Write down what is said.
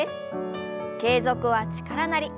「継続は力なり」。